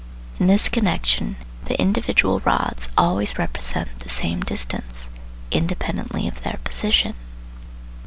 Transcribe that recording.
In this connection the individual rods always represent the same distance, independently of their position.